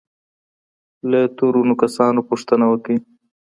له تورنو کسانو پوښتني وکړئ.